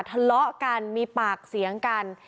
ทะเลาะกันมีปากเสียงกัน